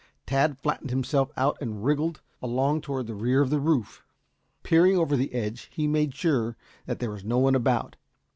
Tad flattened himself out and wriggled along toward the rear of the roof. Peering over the edge he made sure that there was no one about.